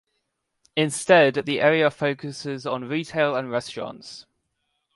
Instead, the area focuses on retail and restaurants.